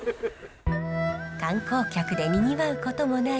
観光客でにぎわうこともない